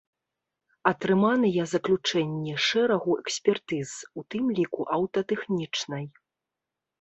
Атрыманыя заключэнні шэрагу экспертыз, у тым ліку аўтатэхнічнай.